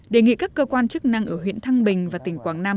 đề nghị các cơ quan chức năng ở huyện thăng bình và tỉnh quảng nam